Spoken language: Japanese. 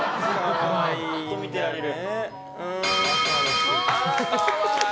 ずっと見てられる。